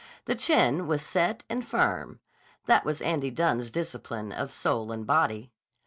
The chin was set and firm—that was Andy Dunne's discipline of soul and body.